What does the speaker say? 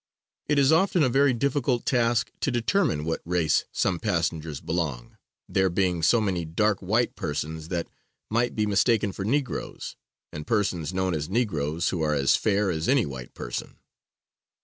It is often a very difficult task to determine to what race some passengers belong, there being so many dark white persons that might be mistaken for negroes, and persons known as negroes who are as fair as any white person.